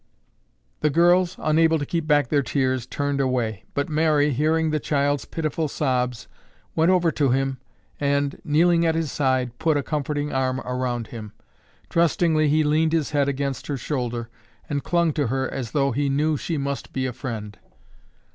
The girls, unable to keep back their tears, turned away, but Mary, hearing the child's pitiful sobs, went over to him and, kneeling at his side, put a comforting arm about him. Trustingly he leaned his head against her shoulder and clung to her as though he knew she must be a friend.